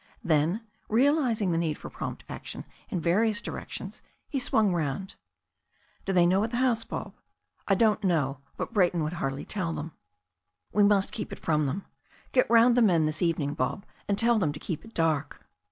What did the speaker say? Then, realizing the need for prompt action in various di rections, he swung round. "Do they know at the house, Bob?" "I don't know. But Brayton would hardly tell them." "We must keep it from them. Get round the men this evening. Bob, and tell them to keep it dark.